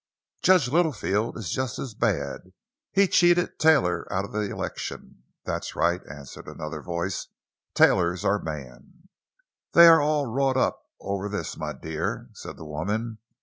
"Judge Littlefield is just as bad—he cheated Taylor out of the election!" "That's right," answered another voice. "Taylor's our man!" "They are all wrought up over this, my dear," said the woman.